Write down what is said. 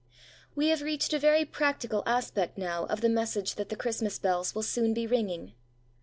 We have reached a very practical aspect now of the message that the Christmas bells will soon be ringing.